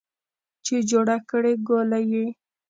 چې جوړه کړې ګولۍ یې